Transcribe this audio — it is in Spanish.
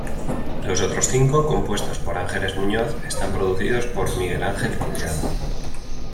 Los otros cinco, compuestos por Ángeles Muñoz, están producidos por Miguel Ángel Collado.